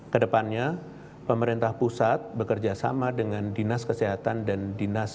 kedepannya pemerintah pusat bekerja sama dengan dinas kesehatan dan dinas